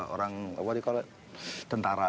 orang apa dikalahin tentara